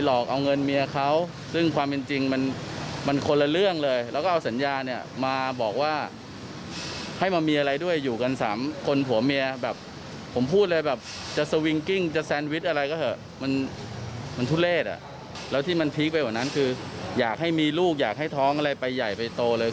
แล้วนะควรติดที่ปี๊ลเหอดไปนั้นก็คืออยากให้มีลูกอยากให้ท้องไปใหญ่ไปโตเลย